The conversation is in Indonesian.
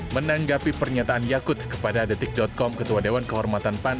menanggapi pernyataan yakut kepada detik com ketua dewan kehormatan pan